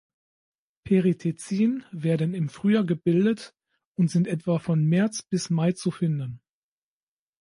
Perithecien werden im Frühjahr gebildet und sind etwa von März bis Mai zu finden.